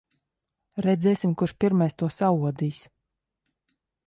Redzēsim, kurš pirmais to saodīs.